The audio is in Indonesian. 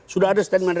sudah ada statement